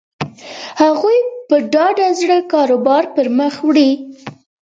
هغوی په ډاډه زړه کاروبار پر مخ وړي.